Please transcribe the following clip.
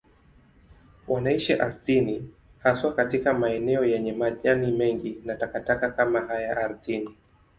Wanaishi ardhini, haswa katika maeneo yenye majani mengi na takataka kama haya ardhini.